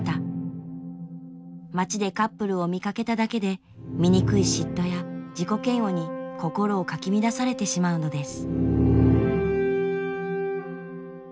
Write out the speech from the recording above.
街でカップルを見かけただけで醜い嫉妬や自己嫌悪に心をかき乱されてしまうのです。